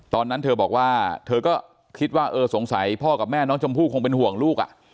ตอนนั้นเธอบอกว่าเธอก็คิดว่าเออสงสัยพ่อกับแม่น้องชมพู่คงเป็นห่วงลูก